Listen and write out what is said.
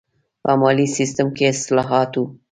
په مالي سیستم کې اصلاحات و.